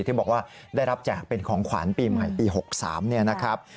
ที่บอกว่าได้รับแจกเป็นของขวัญปีใหม่ปี๖๓เนี่ยนะครับ